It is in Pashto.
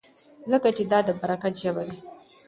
ځکه چې دا د برکت ژبه ده.